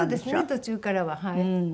途中からははい。